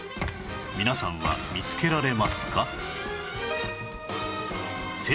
皆さんは見つけられますか？